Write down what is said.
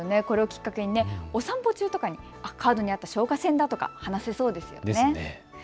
これをきっかけにお散歩中とかにもカードにあった消火栓だとか話せそうですよね。